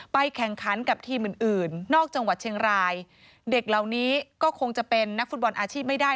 แข่งขันกับทีมอื่นอื่นนอกจังหวัดเชียงรายเด็กเหล่านี้ก็คงจะเป็นนักฟุตบอลอาชีพไม่ได้